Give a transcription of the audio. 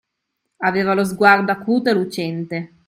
Aveva lo sguardo acuto e lucente.